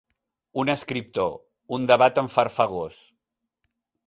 Un escriptor, un debat enfarfegós.